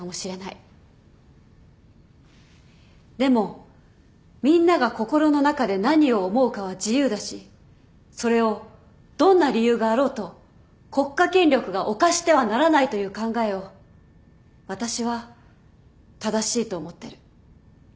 でもみんなが心の中で何を思うかは自由だしそれをどんな理由があろうと国家権力が侵してはならないという考えを私は正しいと思ってる。